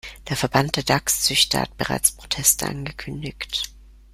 Der Verband der Dachszüchter hat bereits Proteste angekündigt.